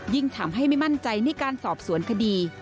ยิ่งทำให้ไม่มั่นใจในการสอบสวนคดี